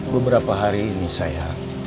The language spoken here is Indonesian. beberapa hari ini saya